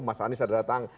mas anies ada datang